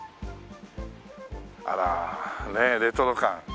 あらねえレトロ感。